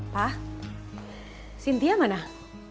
pak sinti hama nah